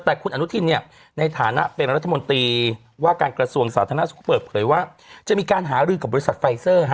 แต่คุณอนุทินเนี่ยในฐานะเป็นรัฐมนตรีว่าการกระทรวงสาธารณสุขก็เปิดเผยว่าจะมีการหารือกับบริษัทไฟเซอร์